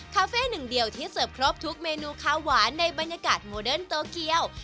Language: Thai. คาเฟ่หนึ่งเดียวที่เสิร์ฟครบทุกเมนูข้าวหวานในบรรยากาศโมเดิร์นโตเกียว